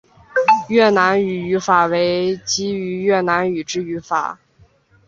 越南语语法为基于越南语之语法。